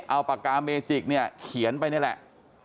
เอาปากกาเมจิกเนี่ยเขียนไปนี่แหละ